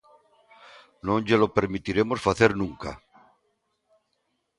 Non llelo permitiremos facer nunca.